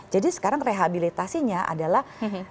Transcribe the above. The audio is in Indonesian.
jadi sekarang rehabilitasinya adalah